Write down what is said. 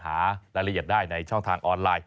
หารายละเอียดได้ในช่องทางออนไลน์